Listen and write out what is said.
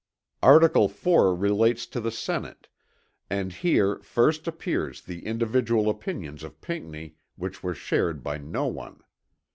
Article 4 relates to the Senate, and here first appear the individual opinions of Pinckney which were shared by no one.